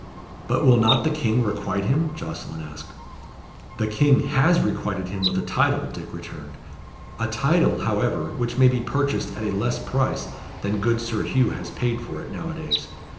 "But will not the King requite him?" Jocelyn asked. "The King has requited him with a title," Dick returned. "A title, however, which may be purchased at a less price than good Sir Hugh has paid for it, now a days.